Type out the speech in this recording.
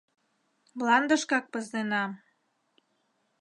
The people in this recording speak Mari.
Мландышкак пызненам.